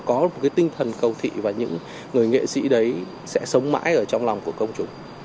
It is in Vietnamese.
có một cái tinh thần cầu thị và những người nghệ sĩ đấy sẽ sống mãi ở trong lòng của công chúng